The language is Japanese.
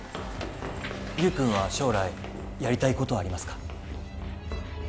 優くんは将来やりたいことはありますか？